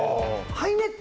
ハイネック？